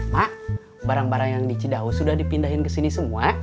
pak barang barang yang di cidahu sudah dipindahin ke sini semua